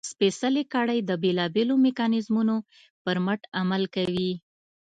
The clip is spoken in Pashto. سپېڅلې کړۍ د بېلابېلو میکانیزمونو پر مټ عمل کوي.